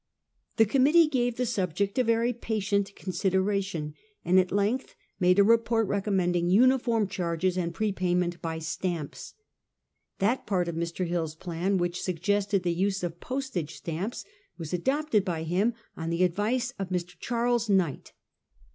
The committee gave the subject a very patient consideration, and at length made a report recommending uniform charges and prepayment by stamps. That part of Mr. Hill's plan which suggested the use of postage stamps was adopted by him on the advice of Mr. Charles Knight.